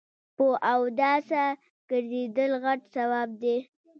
په اوداسه ګرځیدل غټ ثواب لري